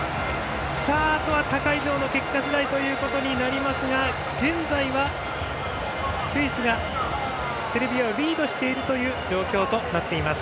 あとは他会場の結果次第となりますが現在はスイスがセルビアをリードしているという状況となっています。